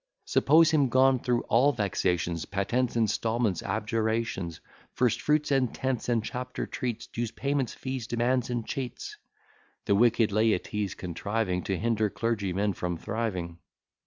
Suppose him gone through all vexations, Patents, instalments, abjurations, First fruits, and tenths, and chapter treats; Dues, payments, fees, demands, and cheats. (The wicked laity's contriving To hinder clergymen from thriving.)